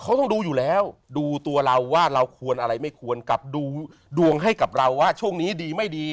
เขาต้องดูอยู่แล้วดูตัวเราว่าเราควรอะไรไม่ควรกลับดูดวงให้กับเราว่าช่วงนี้ดีไม่ดี